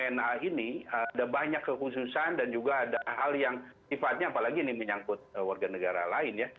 wna ini ada banyak kekhususan dan juga ada hal yang sifatnya apalagi ini menyangkut warga negara lain ya